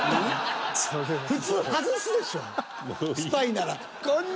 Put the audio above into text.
普通外すでしょスパイなら。